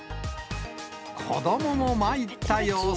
子どもも参った様子。